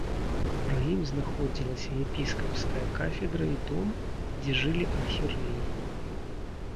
Пры ім знаходзілася епіскапская кафедра і дом, дзе жылі архірэі.